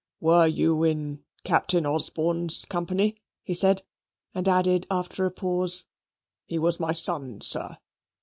"Were you in Captain Osborne's company?" he said, and added, after a pause, "he was my son, sir."